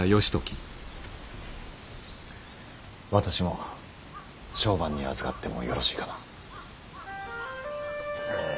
私も相伴にあずかってもよろしいかな？